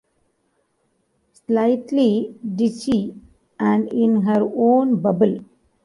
Slightly ditzy and in her own bubble.